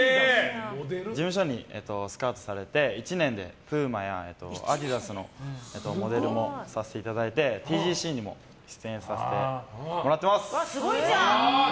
事務所にスカウトされて１年でプーマやアディダスのモデルもさせていただいてＴＧＣにも出演させてもらってます。